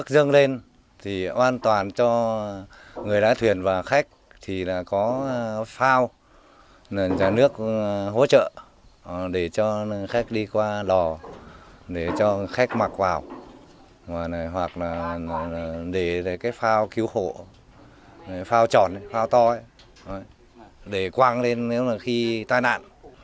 để cho khách mặc vào hoặc là để cái phao cứu hộ phao tròn phao to để quăng lên nếu là khi tai nạn